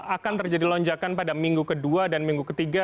akan terjadi lonjakan pada minggu kedua dan minggu ketiga